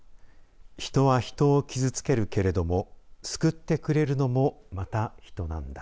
人は人を傷つけるけれども、救ってくれるのも、また人なんだ。